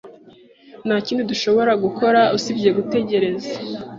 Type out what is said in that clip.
Nta kindi dushobora gukora usibye gutegereza.